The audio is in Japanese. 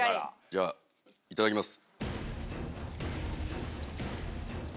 じゃいただきます。